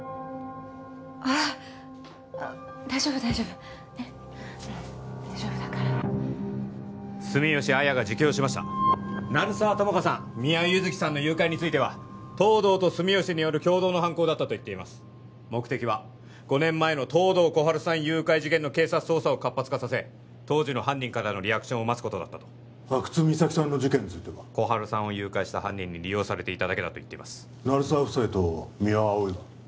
あっ大丈夫大丈夫ねっ大丈夫だから住吉亜矢が自供しました鳴沢友果さん三輪優月さんの誘拐については東堂と住吉による共同の犯行だったと言っています目的は５年前の東堂心春さん誘拐事件の警察捜査を活発化させ当時の犯人からのリアクションを待つことだったと阿久津実咲さんの事件については心春さんを誘拐した犯人に利用されていただけだと言っています鳴沢夫妻と三輪碧は？